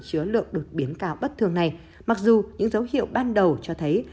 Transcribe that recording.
chứa lượng đột biến cao bất thường này mặc dù những dấu hiệu ban đầu cho thấy